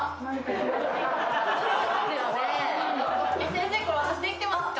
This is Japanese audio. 先生これ私できてますか？